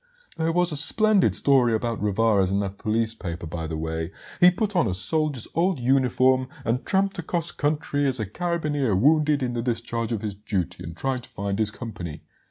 "There was a splendid story about Rivarez and that police paper, by the way. He put on a soldier's old uniform and tramped across country as a carabineer wounded in the discharge of his duty and trying to find his company.